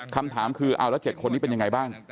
คำถามคือเอาละ๗คนนี้เป็นยังไงบ้าง